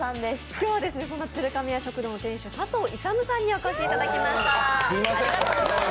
今日は、その鶴亀屋食堂の店主佐藤勇さんにお越しいただきました。